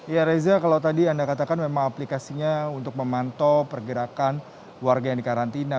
ya reza kalau tadi anda katakan memang aplikasinya untuk memantau pergerakan warga yang dikarantina